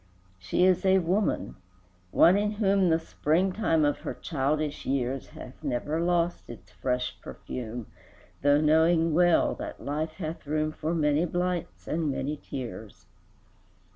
VIII. She is a woman: one in whom The spring time of her childish years Hath never lost its fresh perfume, Though knowing well that life hath room For many blights and many tears.